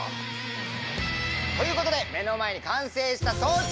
ということで目の前に完成した装置があります！